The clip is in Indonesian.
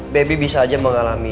baby bisa aja mengalami